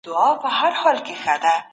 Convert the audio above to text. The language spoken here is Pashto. په معامله کي روڼتيا د بريا راز دی.